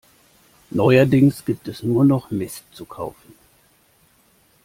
Neuerdings gibt es nur noch Mist zu kaufen.